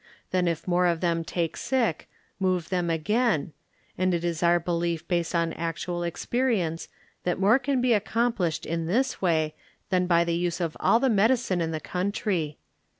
Then if more of them take sick move them again, and it is our belief based on actual experi ence that more can he accomplished in this way than by the use of all the medi cine in the country.